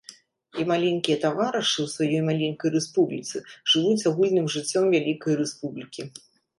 І маленькія таварышы ў сваёй маленькай рэспубліцы жывуць агульным жыццём вялікай рэспублікі.